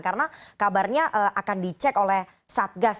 karena kabarnya akan dicek oleh satgas